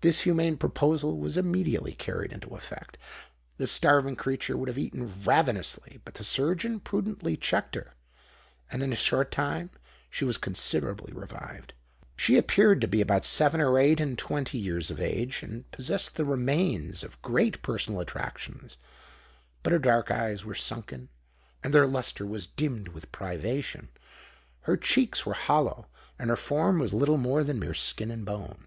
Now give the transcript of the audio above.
This humane proposal was immediately carried into effect;—the starving creature would have eaten ravenously; but the surgeon prudently checked her;—and in a short time she was considerably revived. She appeared to be about seven or eight and twenty years of age; and possessed the remains of great personal attractions. But her dark eyes were sunken, and their lustre was dimmed with privation: her cheeks were hollow; and her form was little more than mere skin and bone.